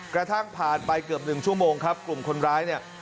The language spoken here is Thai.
กระทั่งผ่านไปเกือบ๑ชั่วโมงครับกลุ่มคนร้ายเนี่ย